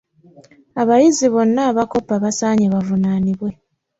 Abayizi bonna abakoppa basaaanye bavunaanibwe.